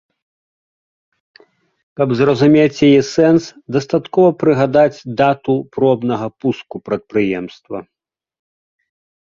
Каб зразумець яе сэнс, дастаткова прыгадаць дату пробнага пуску прадпрыемства.